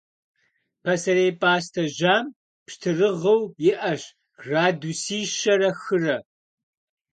Пасэрей пӏастэ жьам пщтырагъыу иӏэщ градуси щэрэ хырэ.